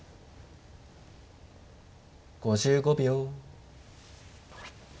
５５秒。